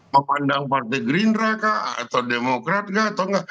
memandang partai gerindra kah atau demokrat kah atau nggak